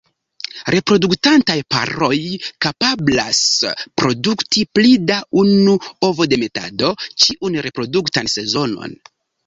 Reproduktantaj paroj kapablas produkti pli da unu ovodemetado ĉiun reproduktan sezonon.